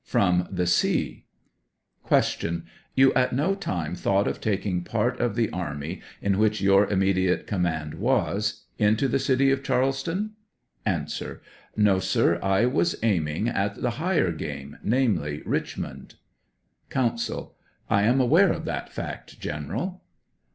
From the sea. Q. Tou, at no time, thought of taking part of the army in which your immediate command was into the city of Charleston ? A. No, sir; I was aiming at the higher game, namely, Eichmond. Counsel, 1 am aware of that fact. General.